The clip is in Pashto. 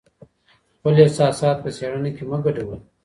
خپل احساسات په څېړنه کي مه ګډوئ.